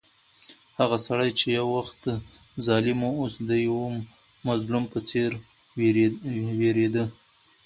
هغه سړی چې یو وخت ظالم و، اوس د یو مظلوم په څېر وېرېده.